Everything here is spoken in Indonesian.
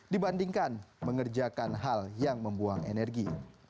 dibandingkan mengerjakan hal yang membuang energi